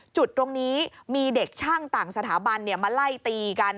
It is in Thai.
จุดตรงนี้มีเด็กช่างต่างสถาบันมาไล่ตีกัน